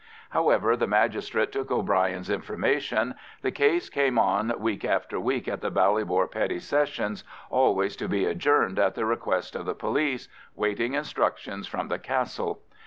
However, the magistrate took O'Brien's information, the case came on week after week at the Ballybor Petty Sessions, always to be adjourned at the request of the police, waiting instruction from the Castle.